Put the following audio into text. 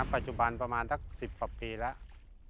ปัจจุบันประมาณสัก๑๐กว่าปีแล้ว